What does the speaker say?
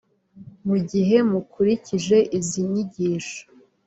Mu gihe mukurikije izi nyigisho